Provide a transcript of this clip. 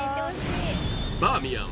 バーミヤン